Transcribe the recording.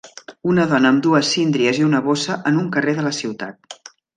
Una dona amb dues síndries i una bossa en un carrer de la ciutat.